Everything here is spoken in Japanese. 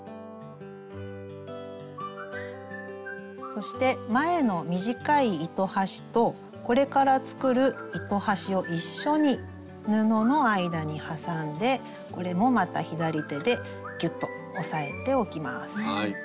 そして前の短い糸端とこれから作る糸端を一緒に布の間に挟んでこれもまた左手でギュッと押さえておきます。